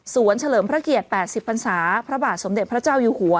เฉลิมพระเกียรติ๘๐พันศาพระบาทสมเด็จพระเจ้าอยู่หัว